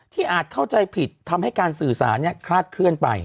อาจเข้าใจผิดทำให้การสื่อสารคลาดเคลื่อนไป